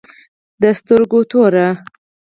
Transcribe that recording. د سترگو توره